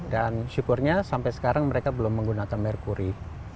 dan syukurnya sampai sekarang mereka belum menggunakan merkuri